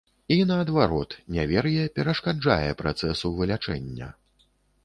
І, наадварот, нявер'е перашкаджае працэсу вылячэння.